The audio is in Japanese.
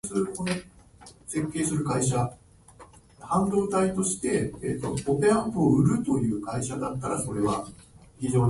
虹の根元には宝物が埋まっているって、子どもの頃は本気で信じてたなあ。